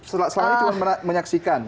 selain itu cuma menyaksikan